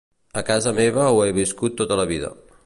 A casa meva ho he viscut tota la vida.